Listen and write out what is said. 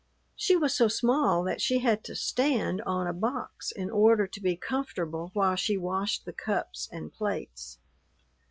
She was so small that she had to stand on a box in order to be comfortable while she washed the cups and plates.